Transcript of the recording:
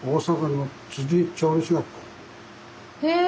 へえ。